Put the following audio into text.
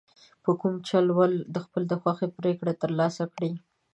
په کوم چل ول د خپلې خوښې پرېکړه ترلاسه کړي.